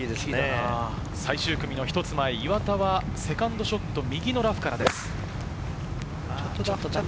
最終組の１つ前、岩田はセカンドショット、右のラフからです。